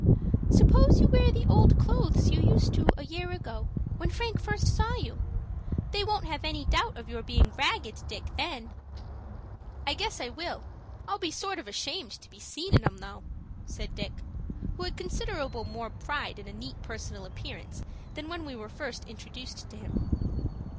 "Suppose you wear the old clothes you used to a year ago, when Frank first saw you? They won't have any doubt of your being Ragged Dick then." "I guess I will. I'll be sort of ashamed to be seen in 'em though," said Dick, who had considerable more pride in a neat personal appearance than when we were first introduced to him.